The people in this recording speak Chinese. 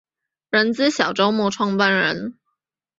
人资小周末创办人